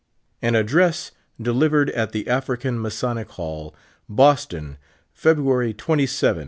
f:> AN ADDREvSS. DELIVERED AT THE AFRICAN MASONIC HALL, BOSTON, FEBRUARY 27, 1833.